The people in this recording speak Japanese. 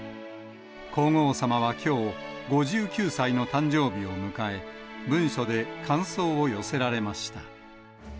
皇后さまはきょう、５９歳の誕生日を迎え、文書で感想を寄せられました。